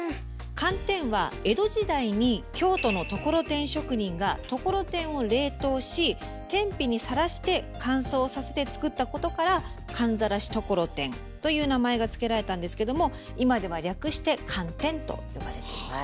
寒天は江戸時代に京都の心太職人が心太を冷凍し天日に晒して乾燥させて作ったことから「寒晒心太」という名前が付けられたんですけども今では略して「寒天」と呼ばれています。